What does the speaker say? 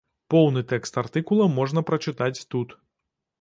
Поўны тэкст артыкула можна прачытаць тут.